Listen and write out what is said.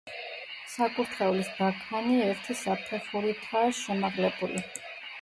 საკურთხევლის ბაქანი ერთი საფეხურითაა შემაღლებული.